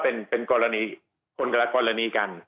เป็นกรณีคนละกรณีกัน